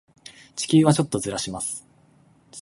地球をちょっとずらします。